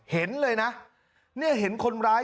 เห็นเลยนะเนี่ยเห็นคนร้าย